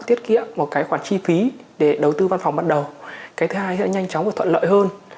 tiết kiệm một cái khoản chi phí để đầu tư văn phòng bắt đầu cái thứ hai sẽ nhanh chóng và thuận lợi hơn